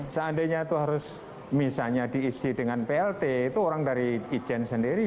seandainya itu harus misalnya diisi dengan plt itu orang dari ijen sendiri